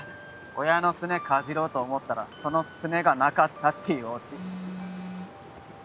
親のすねかじろうと思ったらそのすねがなかったっていうオチ。